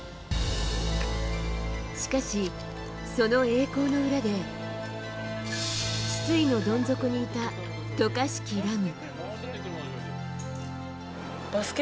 しかし、その栄光の裏で失意のどん底にいた渡嘉敷来夢。